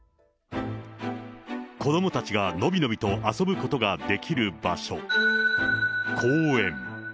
子どもたちが伸び伸びと遊ぶことができる場所。